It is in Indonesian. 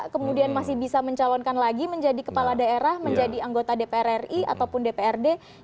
kemudian masih bisa mencalonkan lagi menjadi kepala daerah menjadi anggota dpr ri ataupun dprd